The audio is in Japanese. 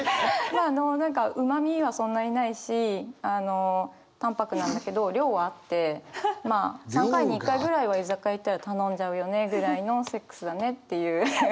まああの何かうまみはそんなにないし淡泊なんだけど量はあってまあ３回に１回ぐらいは居酒屋行ったら頼んじゃうよねぐらいのセックスだねっていう。